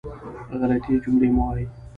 غلطې جملې مه وایئ.